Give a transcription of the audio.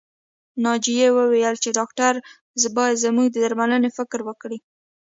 ناجيې وويل چې ډاکټر بايد زموږ د درملنې فکر وکړي